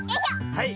はい。